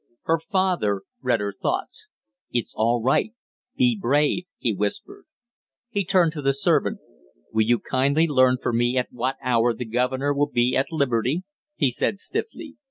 Her father read her thoughts. "It's all right be brave!" he whispered. He turned to the servant. "Will you kindly learn for me at what hour the governor will be at liberty?" he said stiffly.